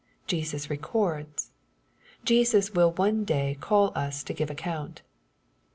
Jesus records. Jesus will one day call us to give account.